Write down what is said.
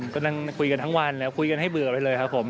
ก็นั่งคุยกันทั้งวันคุยกันให้เบื่อไปเลยครับผม